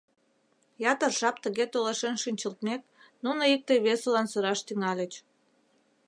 Ятыр жап тыге толашен шинчылтмек, нуно икте-весылан сыраш тӱҥальыч.